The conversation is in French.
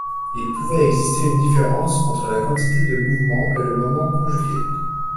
il pouvait exister une différence entre la quantité de mouvement et le moment conjugué